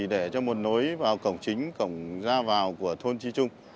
để cho một nối vào cổng chính cổng ra vào của thôn trí trung